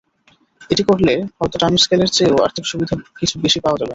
এটি করলে হয়তো টাইম স্কেলের চেয়েও আর্থিক সুবিধা কিছু বেশি পাওয়া যাবে।